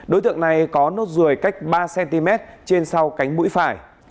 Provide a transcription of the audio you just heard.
đối tượng này có nốt ruồi cách ba cm trên sau cánh mũi phải